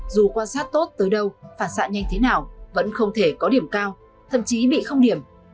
dù quan sát tốt tới đâu phản xạ nhanh thế nào vẫn không thể có điểm cao thậm chí bị không điểm